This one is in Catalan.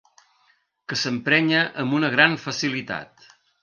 Que s'emprenya amb una gran facilitat.